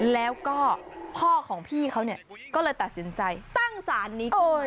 แล้วก็พ่อของพี่เขาเนี่ยก็เลยตัดสินใจตั้งสารนี้